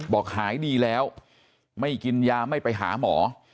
บอกหายดีแล้วไม่กินยาไม่ไปหาหมอ